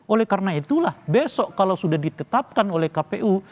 oleh karena itulah besok kalau sudah ditetapkan oleh kpu